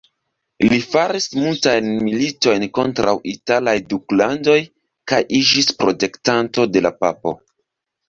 Li faris multajn militojn kontraŭ italaj duklandoj kaj iĝis protektanto de la papo.